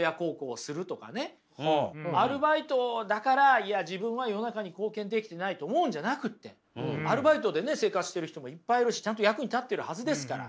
アルバイトだからいや自分は世の中に貢献できてないと思うんじゃなくてアルバイトで生活している人もいっぱいいるしちゃんと役に立っているはずですから。